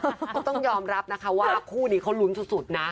ต้องยอมรับนะคะว่าคู่นี้เขาลุ้นสุดนะ